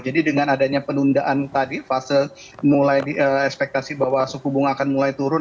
jadi dengan adanya penundaan tadi fase mulai ekspektasi bahwa suku bunga akan mulai turun